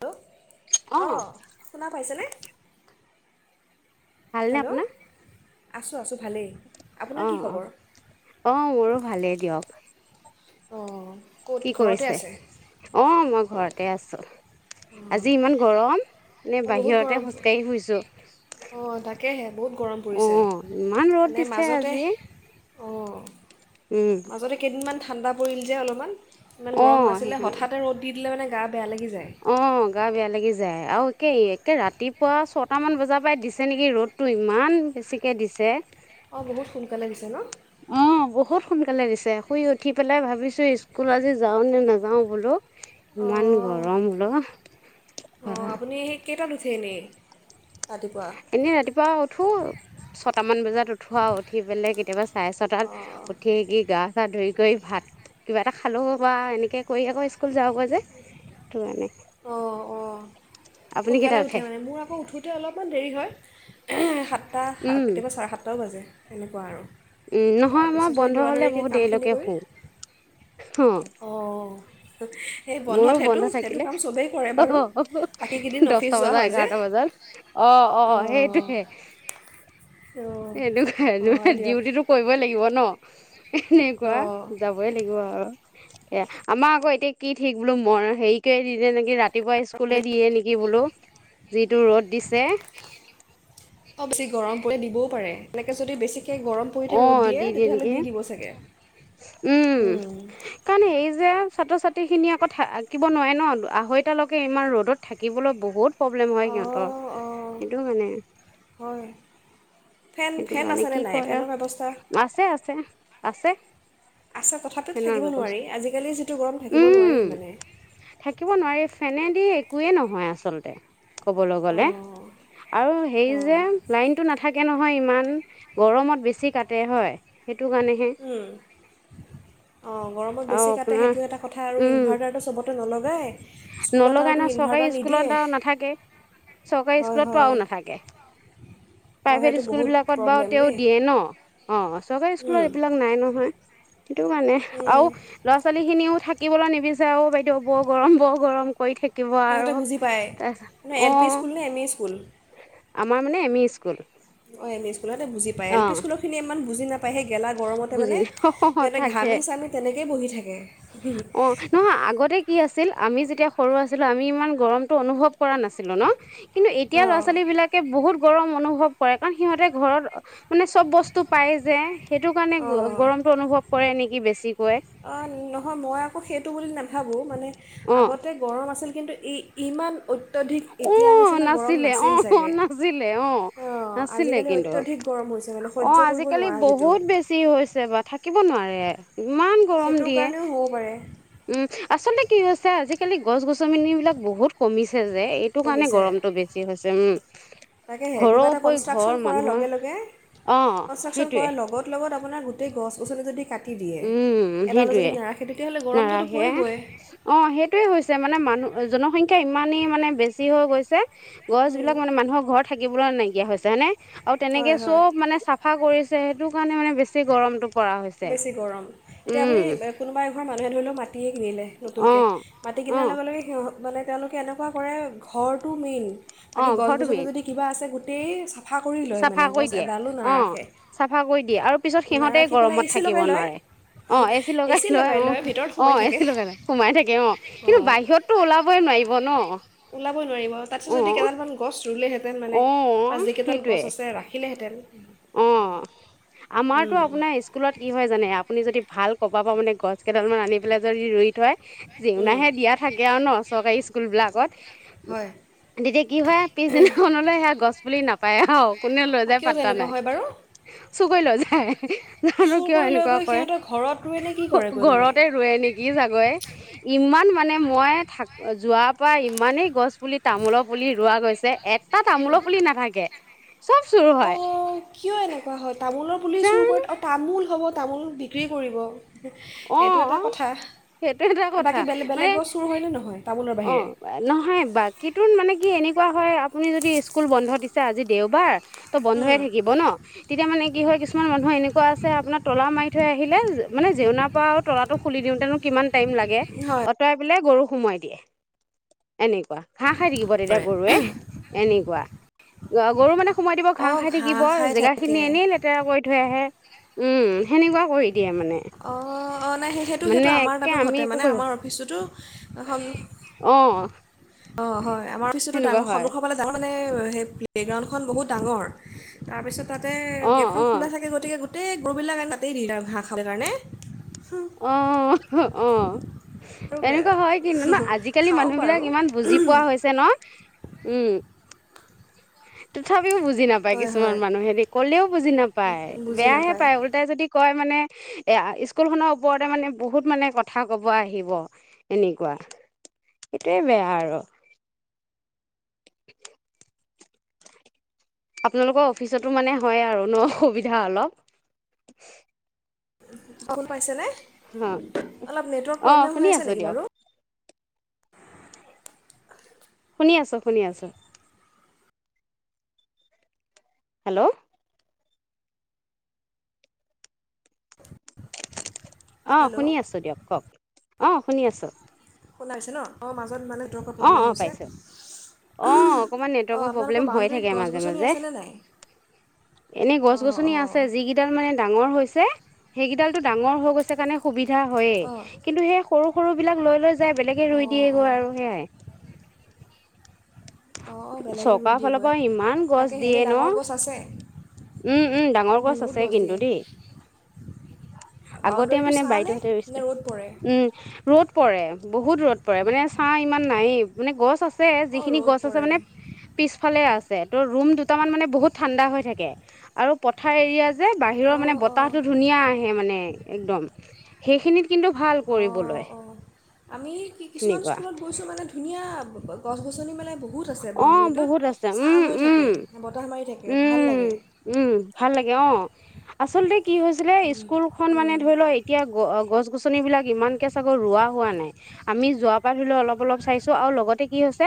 Hello, অ', শুনা পাইছেনে? ভালনে হেল্ল' আপোনাৰ আছোঁ, আছোঁ ভালেই। আপোনাৰ অ', কি খবৰ অ', অ', মোৰো ভালেই দিয়ক। অ'। কি কৰিছে? অ', মই ঘৰতে আছো। আজি ইমান গৰম। এনে অঁ বহুত বাহিৰতে গৰম খোজকাঢ়ি ফুইছো অঁ তাকেহে বহুত গৰম আহ পৰিছে ইমান ৰ'দ মানে দিছে মাজতে আজি অঁ উম মাজতে কেইদিনমান ঠাণ্ডা পৰিল যে অলপমান ইমান অ গৰম নাছিলে সেইকাৰণে হঠাতে ৰ'দ দি মো [unintelligible] অ', গা বেয়া লাগি যায় আৰু একে একে ৰাতিপুৱা ছটামান বজাৰ পৰাই দিছে নেকি ৰ'দটো ইমান বেছিকে দিছে। অ', বহুত সোনকালে দিছে ন? অ বহুত সোনকালে দিছে, শুই উঠি পেলাই ভাবিছো ইস্কুল আজি যাওঁ নে নাযাওঁ বোলো। ইমান অঁ গৰম হল অ অঁ আপুনি সেই কেইটাত উঠে এনেই ৰাতিপুৱা এনেই ৰাতিপুৱা উঠো ছটামান বজাত উঠো আৰু উঠি পেলাই [unintelligible] চাৰে ছটাত অঁ তাত উঠিয়েই কি গা চা ধুই কৰি ভাত কিবা এটা খালোঁ বা এনেকে কৰি আকৌ স্কুল যাওঁগৈ যে, তটো কাৰণে। অ', অ', আপুনি সোনকালে কেইটাত উঠে মানে, মোৰ আকৌ উঠোতে অলপ অকণমান দেৰি হয়। সাতটা উম কেতিয়াবা চাৰে সাতটাও বাজে। এনেকুৱা আৰু। উম, নহয় মই তাৰপিছত সেই বন্ধ দৌৰা হ'লে দৌৰিকৈ বহুত কামখিনি দেৰিলৈকে কৰি শুও, অ'। অঁ সেই বন্ধত মোৰো সেইটো, বন্ধ সেইটো থাকিলে কাম চবেই কৰে বাৰু অ', বাকীকেইদিন অফিচ দচটা যোৱা বজা হয় যে এঘাৰটা বজাত অ', অ', অঁ সেইটোয়ে অঁ হয় [unintelligible] দিয়ক ডিউটিটো কৰিবই লাগিব ন? আ এনেকুৱা, অঁ যাবই লাগিব আৰু এয়া আমাৰ আকৌ এতিয়া কি ঠিক বোলো ম হেৰি কৰি [unintelligible] ‌ নেকি, ৰাতিপুৱা স্কুলে দিয়ে নেকি বোলো, যিটো ৰ'দ দিছে! অঁ বেছি গৰম দিবও পাৰে, এনেকে যদি বেছি কে গৰম পৰি অ থাক ৰ'দ দিয়ে, দি তেতিয়াহ'লে নেকি দি দিব চাগে উম, কাৰণ এই যে ছাত্ৰ ছাত্ৰীখিনি আকৌ থাকিব নোৱাৰে ন, আঢ়ৈতালৈকে ইমান ৰ'দত থাকিবলৈ বহুত প্ৰব্লেম হয় সিহঁতৰ। [unintelligible] অঁ অঁ হয় ফেন সেইটো ফেন কাৰণে আছেনে কি ক নাই আৰু ফেনৰ ব্যৱস্থা আছে আছে আছে আছে তথাপিতো ফেনৰ থাকিব নোৱাৰি বৱস্থা আজিকালি যিটো গৰম থাকিব উম নোৱাৰি মানে থাকিব নোৱাৰি ফেনে এই একোৱে নহয় আচলতে। ক'বলৈ গলে অঁ আৰু হেৰি অঁ যে, লাইনটো নাথাকে ন নহয় ইমান গৰমত বেছি কাটে হয় সেইটো কাৰণেহে উম, অ', গৰমত আৰু বেছি কাটে আপোনাৰ সেইটো এটা কথা, আৰু ইনভাৰ্টাৰটো চবতে নলগাই নলগায়‌ নে, চৰকাৰী স্কুলত আৰু নাথাকেই চৰকাৰী হয় স্কুলততো হয় আৰু নাথাকে। অঁ প্ৰাইভেট সেইটো বহুত স্কুলবিলাকত বাৰু প্ৰব্লেম তেওঁ দেই দিয়ে ন, অ চৰকাৰী স্কুলত উম এইবিলাক নাই নহয় সেইটো কাৰণে, আও উম, ল'ৰা ছোৱালী খিনিও থাক শিকিবলৈ নিবিচাৰোঁ। বাইদেউ, বৰ গৰম, বৰ গৰম কৰি থাক সিহঁতে বুজি পায় ন। এল পি স্কুল নে এম ই স্কুল? আমাৰ, মানে, এম ই স্কুল। অ, এম ই স্কু সিহঁতে বুজি পায়। অ এল পি স্কুলৰখিনিয়ে ইমান বুজি নাপ পায়। সেই গেলা গৰমতে, বুজি মানে, অ সিহঁতে থাকে ঘামি-চামি তেনেকেই বহি থাকে। অ', নহয়। আগতে কি আছিল আ আমি যেতিয়া সৰু আছিলোঁ, আমি ইমান গৰমটো অনুভৱ কৰা নাছিলোঁ ন? কিন্তু এতিয়া ল'ৰা অঁ ছোৱালী বিলাকে বহুত গৰম অনুভৱ অনুভৱ কৰে। কাৰণ সিহঁতে ঘৰত মানে চব বস্তু পায় যে সেইটো কাৰণে গৰমটো অনুভৱ কৰে নেকি বেছি অন নহয় মই আকৌ সেইটো বুলি নাভা খাবও, মানে অ আগতে গৰম আছিল কিন্তু ই ইমান অ অ', নাছিলে। অ', চাগে নাছিলে। অ', অঁ নাছিলে। আজিকালি কিন্তু অত্যধিক গৰম হৈছে মানে সহ্য অ', কৰিব আজিকালি নোৱাৰা যিটো বহুত বেছি হৈছে। বা, থাকিব নোৱাৰে তে সেইটো কাৰণেও হ'ব পাৰে উম আচলতে কি হৈছে আজিকালি গছ গছনিবিলাক বহুত কমিছে যে এইটো কাৰণে কমিছে গৰমটো বেছি হৈছে তেওঁ তাকেহে কিবা এটা কনষ্ট্ৰাক্যন কৰাৰ মানুহৰ লগে, লগে অ' কনষ্ট্ৰাকশ্যন সেইটোৱে কৰাৰ লগত লগত আপোনাৰ গো ই গছ গছনি যদি কাটি দিয়ে উম এডালো যদি সেইটোয়ে নাৰাখে তেতিয়াহ'লে গৰমটোতো নাৰাখে পৰিবই অ সেইটোয়ে হৈছে মানে মানুহ জনসংখ্যা ইমানেই মানে বেছি হৈ গৈছে। গছ উম, বিলাক মানে মানুহৰ ঘৰত থাকিবলৈ নাই এতিয়া হৈছে, হয়, নে? আৰু তেনেকে হয় হয় চব, মানে, চাফা কৰিছে সেইটো কাৰণে মানে, বেছি গৰমটো কৰা হৈছে। বেছি গৰম। এতিয়া, উম আপুনি কোনোবা এঘৰ মানুহে, ধৰি লওক, মাতি মাটিয়ে কিনিলে, নতুনকে অ' মাটি কিনাৰ অ' লগে লগে, সিহঁ মানে, তেওঁলোকে এনেকুৱা কৰে। ঘৰটো মেইন বাকী, অ' ঘৰ তুমি গছ-গছনিও যদি কিবা আছে গো [unintelligible] চাফা কৰি দিয়ে। অ', চাফা কৰি দিয়ে। আৰু পিছত সিহঁতে গ নাৰাখি পেলাই এ গৰমত চি থাকিব লগাই লয় নোৱাৰে। অ', এচি এ লগাই চি লয়। ভিতৰত অ', সোমাই অ', থাকে এচি লগাই লয়, সোমাই থাকে। অ', কিন্তু অঁ বাহিৰততো ওলাবই নোৱাৰিব ন? ওলাবই নোৱাৰিব। তাতছে যদি অ', কেইডালমান গছ ৰুলেহেঁতেন, মানে, অ', আৰু যিকেইডাল সেইটোৱে গছ আছে। ৰাখিলে হেঁতেন অ', আমাৰতো, আপোনাৰ স্কুলত, কি হয় জানে? আপুনি যদি ভাল কৰবা পৰা, মানে, গছকেইডালমান আনি পেলাই, যদি ৰুই থয় জেউৰাহে দিয়া থাকে, আৰু ন, চৰকাৰী স্কুলবিলাকত। হয় তেতিয়া কি হয়, পিছদিনাখনলৈ সেয়া গছপুলি নাপা পায় আৰু কোনে লৈ অঁ যায়? কিয় পাত্তা তেনেকুৱা নাই হয় বাৰু চুৰ কৰি লৈ যায় জানো চুৰ কিয় কৰি লৈ এনেকুৱা গৈ কৰে, সিহঁতৰ ঘৰত ৰুৱে নে কি কৰেগৈ মানে ঘৰতে ৰোৱে নেকি চাগয়, ইমান মা মানে, মই থাক, যোৱাৰ পৰা, ইমানেই গছপুলি, তামোলৰ পুলি ৰোৱা গৈছে। এ তা, তামোলৰ পুলি নাথাকে চব চুৰ হয়। অঁ কিয় এনেকুৱা হয়? তামোলৰ পুলি চুৰ জানো কৰি। অ', তামোল হ'ব তামোল বিক্ৰী কৰিব সেইটো এটা অ', কথা সেইটো এটা আৰু কথা। বাকী বেলেগ মানে, বেলেগ গছ চুৰ হয়নে নহয় তামোলৰ অ', বাহিৰে নহয়। বাকী, ত'ণ, মানে, কি, এনে কোৱা হয়। আ আপুনি যদি স্কুল বন্ধ দিছ চা আজি দেওবাৰ ত বন্ধ হৈ উম, থাকিব ন তেতিয়া মানে কি হয় কিছুমান মানুহে এনেকুৱা আছে আপোনাৰ তলা মাৰি থৈ আহিলে মানে জেউনা বা তলা খুলি দিওঁতেনো কিমান টাইম লাগে হয় অঁতৰাই পৈলাই গৰু। সোমাই দিয়ে এনেকুৱা। ঘাঁহ খাই থাকিব তেতিয়া কৰে গৰুৱে, এনেকুৱা অ গৰু মানে সোমাই দিব ঘাঁহ অঁ খাই থাকিব খাই জেগা খিনি থাকে এনেই লেতেৰা কৰি থৈ আহে ও সেনেকুৱা কৰি। দিয়া মানে অঁ অঁ নাই সেই সেইটো মানে সেইটো আমাৰ একে তাতো আমি ঘটে একো মানে কৰিব আমাৰ অফিচটোতো অ অঁ হয় আমাৰ অফিচতো সেনেকুৱা ডাঙৰ হয় সন্খাবালে ডাঙৰ মানে তই সেই বেকগ্ৰাউণ্ড খন বহুত ডাঙৰ তাতে অ গেটখন অ খোলা থাকে গতিকে তেই গৰবিলাে তাই কাতি দিলে ভা সেইটোকাৰণে অ'হ অ'হ আৰু বেয়া এনেকুৱা হয় কিন্তু ন আজিকালি খাওক মানুহ বাৰু বিলাক ইমান বুজি পোৱা হৈছে ন, উম। তথাপি তিও বুজি নাপায় হয় কিছুমান হয় মানুহে দেই, ক'লেও বুজি নাপায় বুজি বেয়াহে নাপায় পায় উল্টাই যদি কয় মানে এ স্কুল খনৰ ওপৰতে মানে বহুত মানে কথা কব আহিব এনেকুৱা, সেইটোৱে বেয়া আৰু আপোনালোকৰ অফিচতো মানে হয় আৰু ন অসুবিধা অলপ কোন পাইছে নে? অ অ শুনি আছে আছো নেকি দিয়ক। বাৰু শুনি আছোঁ, শুনি আছোঁ। হেল্ল' অ হেল্ল' শুনি আছো দিয়ক কওক। অ শুনি আছো শুলাইছে ন অ মাজত মানে নেটৱৰ্কৰ অ প্ৰব্লেম অ হৈছে পাইছো অ অকণমান অঁ নেটৱৰ্কৰ আপোনালোকৰ প্ৰব্লেম হৈ বাউণ্ডেৰীত থাকে গছ মাজে গছনি মাজে আছেনে নাই এনে গছ অঁ গছনি অঁ আছে যিিকেইডাল মানে ডাঙৰ হৈছে সেইকেইডালটো ডাঙৰ হৈ গৈছে কাৰণে সুবিধা ইয়া হয়ে অঁ কিন্তু সেই সৰু সৰু বিলাক লৈ লৈ যাই বেলেগে ৰুই অঁ দিয়ে গ' অঁ আৰু সেয়াই অঁ বেলেগে ৰুই চৰকাৰৰ ফালৰ দিয়েগৈ পৰা ইমান গছ তাকে দিয়ে এনেই ন ডাঙৰ গছ আছে উম উম ডাঙৰ গছ আছে কিন্তু দেই আগতে বাউণ্ডেৰীটো মানে চাহনে বাৰদদউহতে নে ৰুইছিল ৰ'দ পৰে উম ৰ'দ পৰে বহুত দূৰত পৰে মানে ছাহ ইমান নায় মানে গছ আছে আছে অঁ যিখিনি ৰ'দ গছ আছে পৰে মানে পিছফালে আছে ত ৰুম দুটামান মানে বহুত ঠাণ্ডা হৈ থাকে আৰু পথাৰ এৰিয়া যে বাহিৰৰ মানে অঁ অঁ বতাহটো ধুনীয়া আহে মানে একদম সেইখিনিত কিন্তু ভাল অঁ কৰিবলৈ অঁ আমি কিছুমান সেনেকুৱা স্কুলত গৈছোঁ মানে ধুনীয়া গছ গছনি মানে বহুত আছে অ বাউণ্ডেৰীটোত বহুত আছে ছাঁ উম হৈ থাকে উম বতাহ মাৰি থাকে ভাল উম লাগে উম ভাল লাগে অ আচলতে কি হৈছিলে উম, স্কুল খন মানে উম, ধৰি ল এতিয়া গছ গছ আচন বিলাক ইমানকে চাগ ৰোৱা হোৱা নাই আমি যোৱা পাত ধৰিলেও অলপ অলপ চাইছো আৰু লগতে কি হৈছে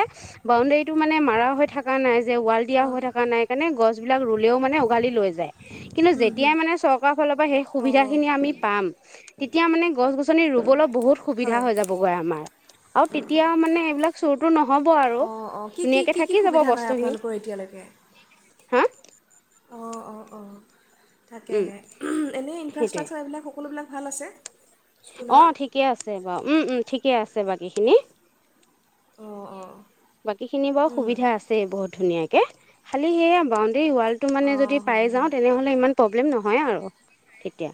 বাউণ্ডৰীটো মানে মাৰা হৈ থকা নাই যে ৱাল দিয়া অঁ হৈ থকা নাই কাৰণে গছ বিলাক ৰুলেও মানে উঘালি লৈ যায় কিন্তু হুম, হুম। যেতিয়াই মানে চৰকাৰৰ ফালৰ পৰা সেই সুবিধা অঁ খিনি আমি পাম তেতিয়া মানে গছ গছনি ৰুবলৈ বহুত সুবিধা হয় হৈ যাবগৈ আমাৰ আৰু তেতিয়া মানে এইবিলাক ছোটো নহ হ'ব আৰু অঁ অঁ কি কি ধুনীয়াকে কি কি থাকি যাব সুবিধা লয় বস্তুখিনি আপোনালোকৰ এতিয়ালৈকে হা অঁ অঁ অঁ উম থাকেহে এনেই সেইটোৱে ইনফ্ৰাষ্ট্ৰাকচাৰ এইবিলাক সকলোবিলাক। ভাল আছে অ স্কুলৰ ঠিকে আছে বাৰু উম উম ঠিক িক আছে বাকী খিনি অ অ বাকী খিনি বাৰু সুবিধা আছেই বহুত ধুনীয়াকে কি খালি সে বা দেই ৱালটো মানে অঁ যদি হয় পাই যাওঁ হয় তেনেহ'লে ইমান প্ৰব্লেম ন হয় আৰু তেতিয়া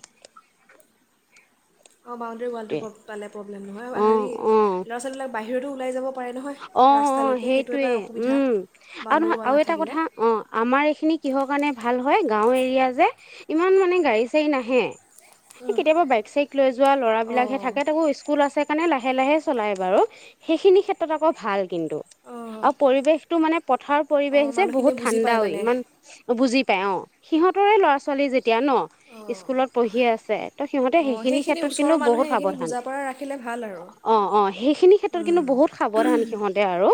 অঁ বাউণ্ডেী ৱালটো সেইটোৱে পালে প্ৰব্লেম নহয় অ হেৰি অ ল'ৰা ছোৱালীবিলাক বাহিৰতো ওল যাব পাৰে নহয় অ অ ৰাস্তালৈকে সেইটো সেইটোৱে এটা অসুবিধা উম আৰু বাউণ্ডেৰী নহয় ৱাল আৰু এটা নাথাকিলে কথা অ আমাৰ এইখিনি কিহৰ কাৰণে ভাল হয় গাঁও এৰিয়া যে ইমান মানে গাড়ী চাৰী নাহে। উম, কেতিয়াবা বাইক চাইক লৈ যোৱা ল'ৰাবলাক হে অঁ থাকে তাকো স্কুল আছে কাৰণে লাহে লাহে লাহে চলাই বাৰু সেইখিনি ক্ষেত্ৰত [unintelligible] আকৌ ভাল কিন্তু অঁ আৰু পৰিৱেশতটো মানে পথাৰৰ পৰিৱেশ অঁ যে বহুত মানুহখিনিয়ে বুজি ঠাণ্ডা পায় মানে ইমান বুজি পায় অ' সিহঁতৰে ল'ৰা ছোৱালী যেতিয়া এতিয়া ন অঁ স্কুলত পঢ়িয় আছে ত সিহঁতে অঁ সেইখিনি ক্ষেত্ৰত কিন্তু ওচৰৰ বহুত মানুহে সেইখিনি সাৱধান বুজা পৰা ৰাখিলে ভাল আৰু অ অ সেইখিনি ক্ষেত্ৰত কিন্তু উম, বহুত সাৱধান সিহঁতে আৰু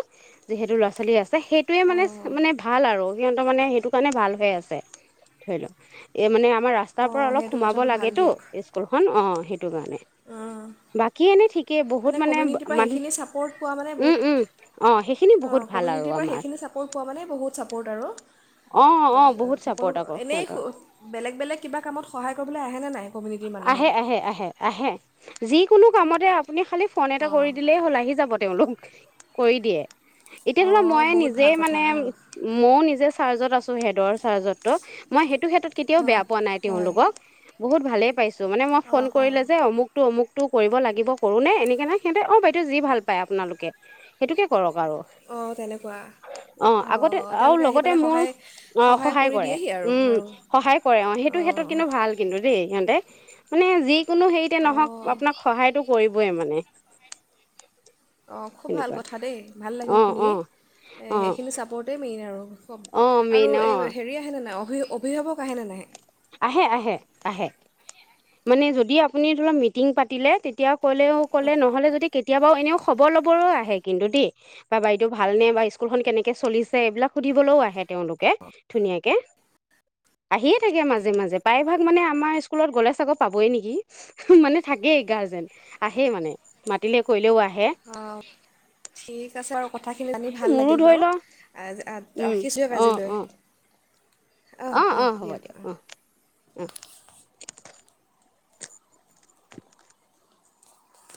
যিহেতু ল'ৰা ছোৱালী আছে। সেইটোয়ে অঁ মানে- মানে ভাল আৰু। মানে সেইটো কাৰণে ভাল হৈ আছে ধৰি লও এই মানে আমাৰ ৰাস্তাৰ পৰা অঁ অলপ সেইটো সোমাব কথাটো ভাল লাগে টো দিয়ক স্কুলখনন অ' সেইটো কাৰণে অঁ বাকী এনে ঠিক মানে কমিউনিটিৰ পৰা সেইখিনি ছাপৰ্ট পোৱা উম বহুত উম অ সেইখিনি বহুত ভাল আৰু কমিউনিটিৰ পৰা আমাৰ সেইখিনি চাপৰ্ট পোৱা মানে বহুত চাপৰ্ট আৰু। অ', অ', বহুত সকলো চাপৰ্ট আকৌ সিহঁতৰ এনেেলেগেলে কা কত স [unintelligible] আহে নে নাই কমিউনিটিৰ মানুহে আহে- আহে -আহে -আহে যি কোনো কামতে আপুনি খালী ফোন এটা অঁ কৰি দিলেই হ'ল আহি যাব তেওঁলোক। কৰি দিয়ে। এতিয়া ধৰিলোৱা অঁ মই বহুত নিজে ভাল কথা মানে অঁ মইও নিজে চাৰ্জত আছো। [unintelligible] সেইটো ক্ষেত্ৰত কেতিয়াও হয় বেয়া পোৱা নাই হয় তেওঁলোকক বহুত ভালে য মানে মই ফোন অঁ অঁ কৰিলে যে অমুকটো অমুক তটো কৰিব লাগিব কৰো নে এনেকাে সিহঁতে অ বাইদেউ যি ভাল পায় আপোনালোকে সেইটোকে কৰক ব অঁ তেনেকুৱা অ আগতে অঁ আৰু তেওঁলোকে আহি লগতে পেলাই মোৰ সহায় অ সহায় কৰি কৰে দিয়েহি আৰু উম আৰু সহায় কৰে অ সেইটো ক্ষেত্ৰত অঁ কিন্তু ভাল কিন্তু দেই সিহঁতে মানে যি কোনো হেৰিতে নহওক অঁ আপোনাক সহায়তটো কৰিব। [unintelligible] মানে অঁ খুব ভাল সেনেকুৱা কথা দেই ভাল লাগিল অ শুনি অ অ সেইখিনি চাপৰ্টেই মেইন আৰু অ আৰু মেইন অ এই হেৰি আহেনে নাই? [unintelligible] অভি অভিভাৱক আহেনে নাহে? আহে আহে আহে মানে যদি আপুনি ধ লওক মিটিং পাতিলে তেতিয়া কলেও কলে নহলে যদি কেতিয়াবা এনেও খবৰ ল'বৰো আহে কিন্তু দেই বা বাৰীতটো ভালনেে বা স্কুলখন কেনেকে চলিছে এইবিলাক সুধিবলৈও আহে তেওঁলোকে ধুনীয়াকে আহিয়ে থাকে মাজ মাজে মাজে প্ৰায়ভাগ মানে আমাৰ স্কুলত গ'লে চাগৈ পাবই নেকি মানে থাকে এই গাৰ যেন আহে মানে মাতিলে কৰিলেও আহ অ ঠিক আছে আৰুাৰ কথাখিনি জানি ভাল লাগিল বাৰু আ- উম, ৰাখিছোঁ দিয়ক অহ, আজিলৈ অ'। অঁ অ', অঁ অ', হ'ব দিয়ক অঁ অ'। উম।